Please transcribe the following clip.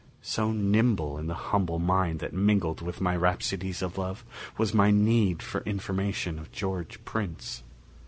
So nimble in the humble mind that mingled with my rhapsodies of love, was my need for information of George Prince.